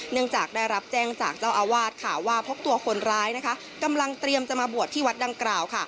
เนื่องจากได้รับแจ้งจากเจ้าอาวาสค่ะว่าพบตัวคนร้ายกำลังเตรียมจะมาบวชที่วัดดังกล่าว